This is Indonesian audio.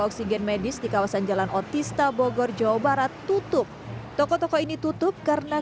oksigen medis di kawasan jalan otis tabogor jawa barat tutup tokoh tokoh ini tutup karena